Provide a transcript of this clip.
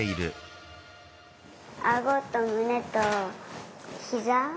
あごとむねとひざ。